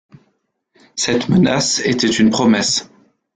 Cette menace était une promesse.